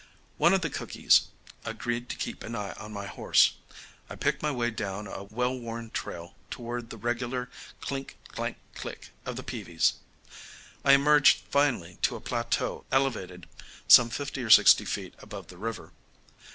One of the cookees agreed to keep an eye on my horse. I picked my way down a well worn trail toward the regular clank, clank, click of the peavies. I emerged finally to a plateau elevated some fifty or sixty feet above the river.